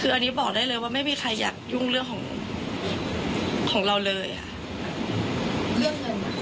เรื่องจำนวนนั้นทำไมเขาถึงฟังจำว่าเออมันเป็น